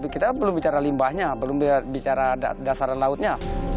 kita belum bicara limbahnya belum bicara dasaran lautnya